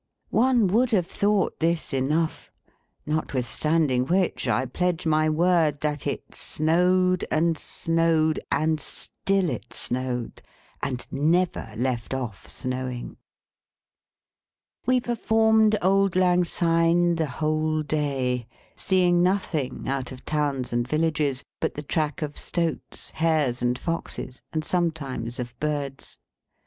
One would have thought this enough: notwithstanding which, I pledge my word that it snowed and snowed, and still it snowed, and never left off snowing. We performed Auld Lang Syne the whole day; seeing nothing, out of towns and villages, but the track of stoats, hares, and foxes, and sometimes of birds.